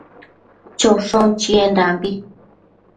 choshon chiendambi